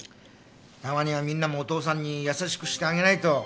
たまにはみんなもお父さんに優しくしてあげないと。